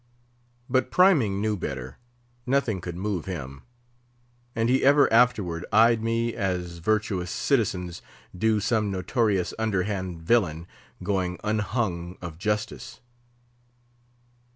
But Priming knew better; nothing could move him; and he ever afterward eyed me as virtuous citizens do some notorious underhand villain going unhung of justice.